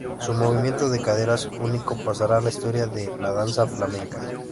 Su movimiento de caderas, único, pasará a la historia de la danza flamenca.